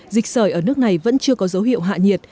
dịch sởi ở nước này vẫn chưa có dấu hiệu hạ nhiệt